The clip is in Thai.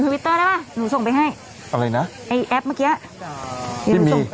วิตเตอร์ได้ป่ะหนูส่งไปให้อะไรนะไอ้แอปเมื่อกี้ยืมส่งไป